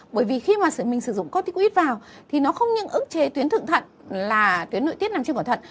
bởi vì khi mình sử dụng copticoid vào thì nó không những ức chế tuyến thượng thận là tuyến nội tiết nằm trên quả thận